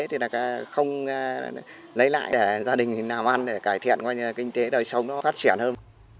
thì là không lấy lại để gia đình làm ăn để cải thiện kinh tế đời sống nó phát triển hơn